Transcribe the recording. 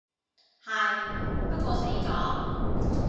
係，不過死咗